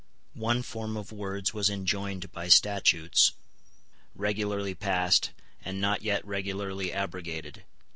One form of words was enjoined by statutes, regularly passed, and not yet regularly abrogated.